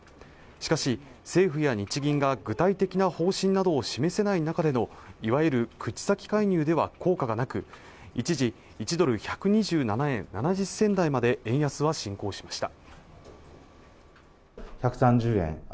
しかし政府や日銀が具体的な方針などを示せない中でのいわゆる口先介入では効果がなく一時１ドル＝１２７円７０銭台まで円安が進行しました